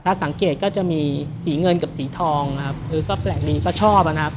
ถ้าสังเกตก็จะมีสีเงินกับสีทองนะครับเออก็แปลกดีก็ชอบนะครับ